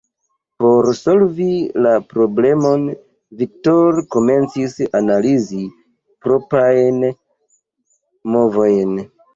Por solvi la problemon Viktor komencis analizi proprajn movojn.